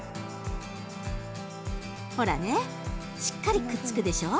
ほらねしっかりくっつくでしょ？